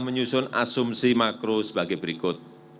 kekuasaan ekonomi dan konsumsi makro sebagai berikut